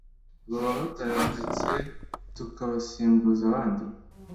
baba batabonetse tukabasimbuza abandi